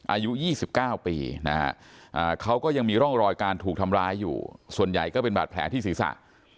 อายุ๒๙ปีนะฮะเขาก็ยังมีร่องรอยการถูกทำร้ายอยู่ส่วนใหญ่ก็เป็นบาดแผลที่ศีรษะ